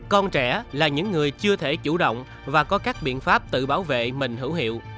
con trẻ là những người chưa thể chủ động và có các biện pháp tự bảo vệ mình hữu hiệu